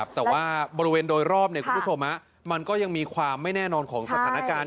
แต่ว่าบริเวณโดยรอบคุณผู้ชมมันก็ยังมีความไม่แน่นอนของสถานการณ์